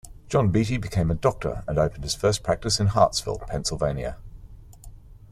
John Beatty became a doctor and opened his first practice in Hartsville, Pennsylvania.